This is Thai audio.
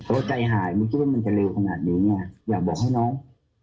ใจหายไม่คิดว่ามันจะเร็วขนาดนี้ไงอยากบอกให้น้อง